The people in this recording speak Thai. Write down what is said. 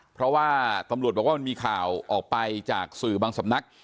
เพราะว่าตำรวจบอกว่ามันมีข่าวออกไปจากสื่อบางสำนัก